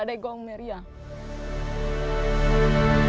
bagian saya akan memiliki anaknya